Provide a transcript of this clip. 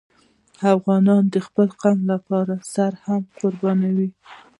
افغان د خپل قوم لپاره سر هم قربانوي.